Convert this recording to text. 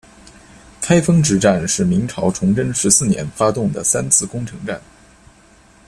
开封之战是明朝崇祯十四年发动的三次攻城战。